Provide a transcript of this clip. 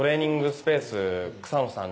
スペース草野さん